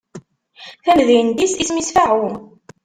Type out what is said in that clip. Tamdint-is isem-is Faɛu.